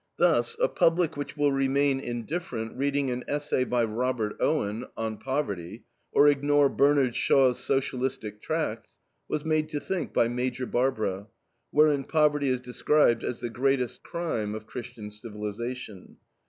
Thus a public which will remain indifferent reading an essay by Robert Owen, on Poverty, or ignore Bernard Shaw's Socialistic tracts, was made to think by MAJOR BARBARA, wherein poverty is described as the greatest crime of Christian civilization.